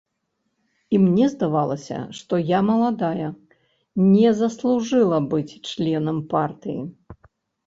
І мне здавалася, што я маладая, не заслужыла быць членам партыі.